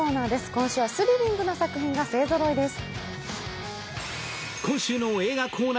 今週はスリリングな作品が勢ぞろいです。